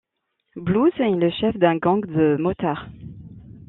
Blues est le chef d'un gang de motards.